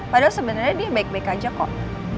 padahal sebenarnya dia baik baik aja kok